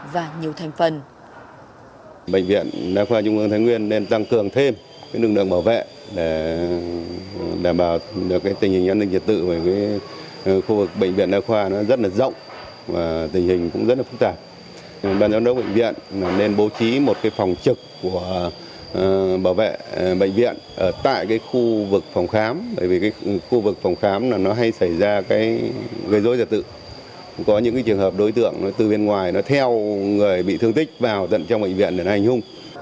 tình hình an ninh trật tự ở khu vực bệnh viện đa khoa rất rộng và tình hình rất phức tạp đoàn giám đốc bệnh viện nên bố trí một phòng trực của bảo vệ bệnh viện tại khu vực phòng khám bởi vì khu vực phòng khám hay xảy ra gây rối trật tự có những trường hợp đối tượng từ bên ngoài theo người bị thương tích vào dẫn trong bệnh viện để hành hùng